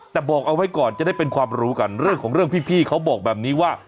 แต่บอกเอาไว้ก่อนจะได้เป็นความรู้กันเรื่องของเรื่องพี่เขาบอกแบบนี้ว่า